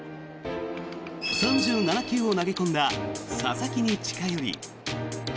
３７球を投げ込んだ佐々木に近寄り。